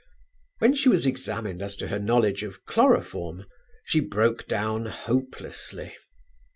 When she was examined as to her knowledge of chloroform, she broke down hopelessly.